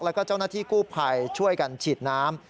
แล้วก็เจ้าหน้าที่กู้ภัยช่วยกันฉีดน้ำ